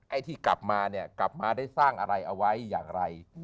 ไอ้ที่กลับมาเนี่ยกลับมาได้สร้างอะไรเอาไว้อย่างไร